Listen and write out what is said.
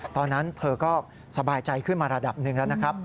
ตอนนั้นเธอก็สบายใจขึ้นมาระดับหนึ่งแล้วนะครับ